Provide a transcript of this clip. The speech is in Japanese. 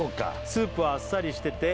「スープはあっさりしてて」